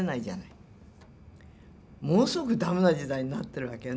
ものすごく駄目な時代になってるわけよね。